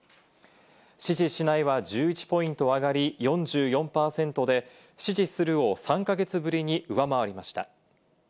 支持しないは１１ポイント上がり４４％で、支持するを３か月ぶりに上回りました。